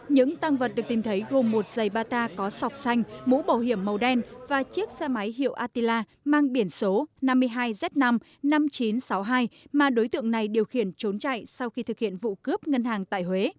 những tăng vật được tìm thấy gồm một giày bata có sọc xanh mũ bảo hiểm màu đen và chiếc xe máy hiệu atila mang biển số năm mươi hai z năm năm nghìn chín trăm sáu mươi hai mà đối tượng này điều khiển trốn chạy sau khi thực hiện vụ cướp ngân hàng tại huế